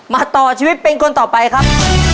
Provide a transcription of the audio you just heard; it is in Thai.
ต่อชีวิตเป็นคนต่อไปครับ